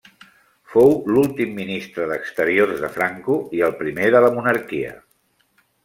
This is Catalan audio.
Fou l'últim ministre d'Exteriors de Franco i el primer de la Monarquia.